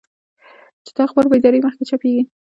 چې د اخبار په اداري مخ کې چاپېږي.